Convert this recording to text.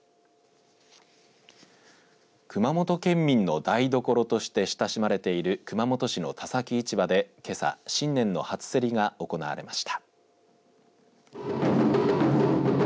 熊本県民の台所として親しまれている熊本市の田崎市場でけさ新年の初競りが行われました。